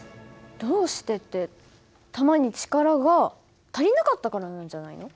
どうしてって弾に力が足りなかったからなんじゃないの？